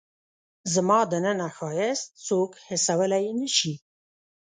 زما دننه ښایست څوک حسولای نه شي